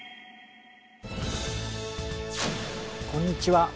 こんにちは。